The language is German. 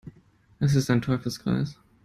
Es ist ein Teufelskreis.